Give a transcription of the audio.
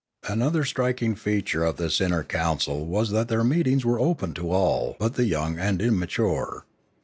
Another striking feature of this inner council was that their meetings were open to all but the young and immature.